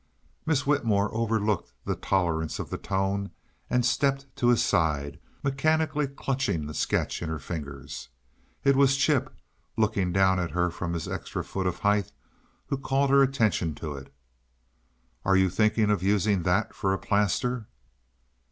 Miss Whitmore overlooked the tolerance of the tone and stepped to his side, mechanically clutching the sketch in her fingers. It was Chip, looking down at her from his extra foot of height, who called her attention to it. "Are you thinking of using that for a plaster?"